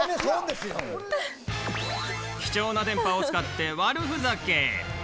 貴重な電波を使って悪ふざけ。